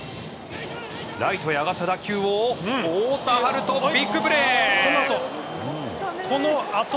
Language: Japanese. ライトへ上がった打球を太田遥斗、ビッグプレー！